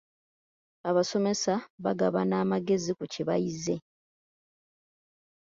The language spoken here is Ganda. Abasomesa bagabana amagezi ku kye bayize.